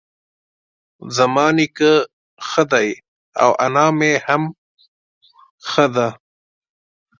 زما نيکه ښه دی اؤ انا مي هم ښۀ دۀ